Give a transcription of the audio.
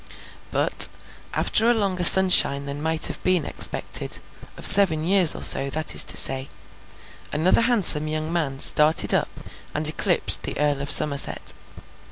But, after a longer sunshine than might have been expected—of seven years or so, that is to say—another handsome young man started up and eclipsed the Earl of Somerset.